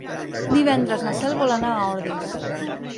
Divendres na Cel vol anar a Ordis.